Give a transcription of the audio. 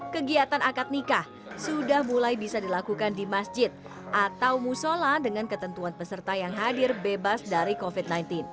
kegiatan akad nikah sudah mulai bisa dilakukan di masjid atau musola dengan ketentuan peserta yang hadir bebas dari covid sembilan belas